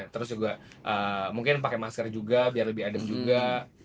terus juga mungkin pakai masker juga biar lebih adem juga